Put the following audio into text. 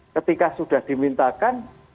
ketika sudah dimintakan